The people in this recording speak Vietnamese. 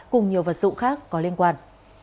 cùng nhiều vật dụng khác có liên quan